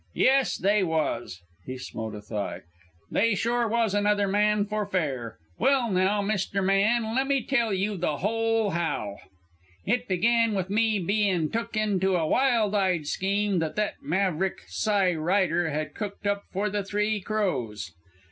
"Yes, they was." He smote a thigh. "They sure was another man for fair. Well, now, Mr. Man, lemmee tell you the whole 'how.' "It began with me bein' took into a wild eyed scheme that that maverick, Cy Ryder, had cooked up for the Three Crows.